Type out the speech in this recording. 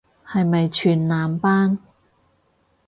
係咪全男班